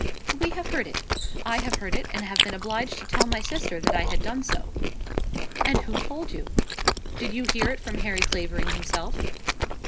"We have heard it. I have heard it, and have been obliged to tell my sister that I had done so." "And who told you? Did you hear it from Harry Clavering himself?"